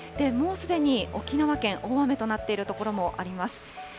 もうすでに沖縄県、大雨となっている所もあります。